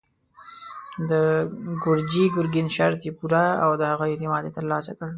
د ګرجي ګرګين شرط يې پوره او د هغه اعتماد يې تر لاسه کړ.